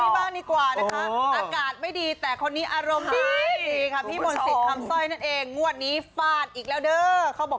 มาดูคนดีบ้านดีกว่านะครับ